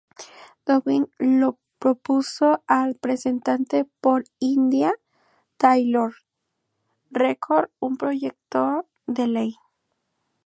Goodwin le propuso al representante por Indiana Taylor I. Record un proyecto de ley.